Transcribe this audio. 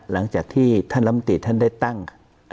หลังจากที่ท่านลำตีท่านได้ตั้ง